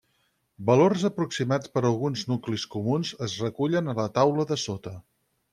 Valors aproximats per alguns nuclis comuns es recullen a la taula de sota.